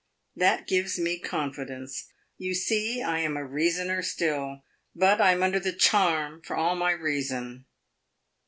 That gives me confidence you see I am a reasoner still. But I am under the charm, for all my reason.